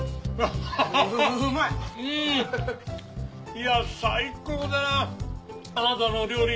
いや最高だなあなたのお料理。